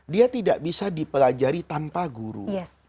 dia tidak bisa dipelajari tanpa guru